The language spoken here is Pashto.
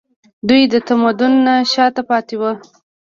دوی د تمدن نه شاته پاتې وو